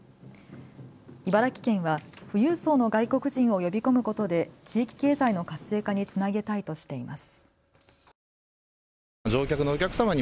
茨城県は富裕層の外国人を呼び込むことで地域経済の活性化につなげたいとしています。